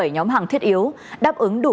một mươi bảy nhóm hàng thiết yếu đáp ứng đủ